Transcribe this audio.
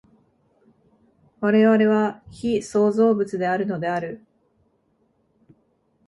我々は被創造物であるのである。